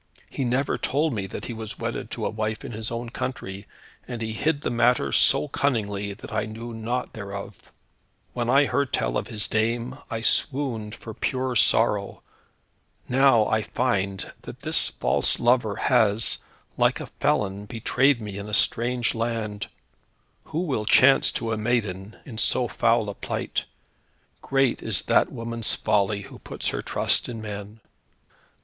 He never told me that he was wedded to a wife in his own country, and he hid the matter so cunningly, that I knew naught thereof. When I heard tell of his dame, I swooned for pure sorrow. Now I find that this false lover, has, like a felon, betrayed me in a strange land. What will chance to a maiden in so foul a plight? Great is that woman's folly who puts her trust in man."